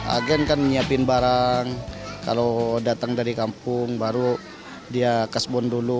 agen kan menyiapkan barang kalau datang dari kampung baru dia kasbon dulu